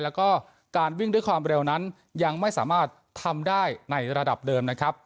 แล้วก็การวิ่งด้วยความเร็วนั้นยังไม่สามารถทำได้ในระดับเดิมนะครับ